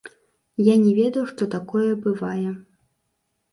Я не ведаў, што такое бывае.